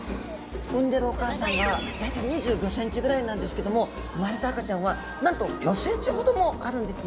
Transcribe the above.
産んでるお母さんが大体２５ｃｍぐらいなんですけども産まれた赤ちゃんはなんと５ｃｍほどもあるんですね。